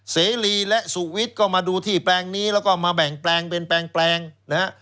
เสรีและสุวิทย์ก็มาดูที่แปลงนี้แล้วก็มาแบ่งแปลงเป็นแปลงนะฮะ